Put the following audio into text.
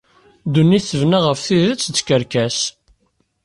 Ddunit tebna ɣef tidet d tkerkas